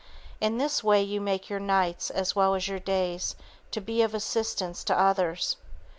In this way you make your nights, as well as your days, to be of assistance to others.